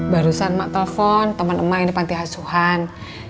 barusan ma telfon teman emah yang di pantai hasuhan